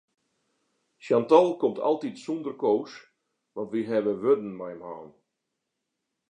Chantal komt altyd sûnder Koos want wy hawwe wurden mei him hân.